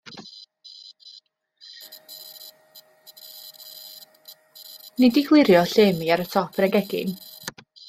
Wnei di glirio lle i mi ar y top yn y gegin.